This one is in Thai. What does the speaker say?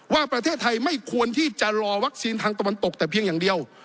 ว่าประเทศไทยไม่ควรที่จะรอวัคซีนทางตะวันตกแต่เพียงอย่างเดียว